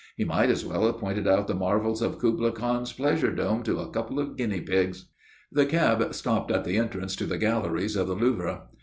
He might as well have pointed out the marvels of Kubla Khan's pleasure dome to a couple of guinea pigs. The cab stopped at the entrance to the galleries of the Louvre.